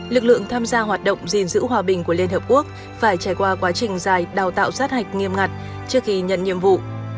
lực lượng tham gia hoạt động gìn giữ hòa bình của liên hợp quốc phải trải qua quá trình dài đào tạo sát hạch nghiêm ngặt trước khi nhận nhiệm vụ